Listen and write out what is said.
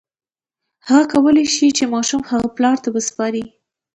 هغه کولی شي چې ماشوم هغه پلار ته وسپاري.